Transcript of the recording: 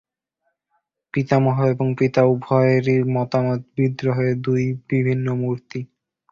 পিতামহ এবং পিতা উভয়েরই মতামত বিদ্রোহের দুই বিভিন্ন মূর্তি।